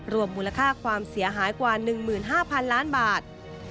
รวมมูลค่าความเสียหายกว่า๑๕๐๐๐ล้านบาท